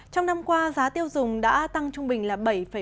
trong năm qua giá tiêu dùng đã tăng trung bình là bảy bốn